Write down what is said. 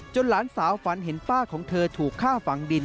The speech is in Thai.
หลานสาวฝันเห็นป้าของเธอถูกฆ่าฝังดิน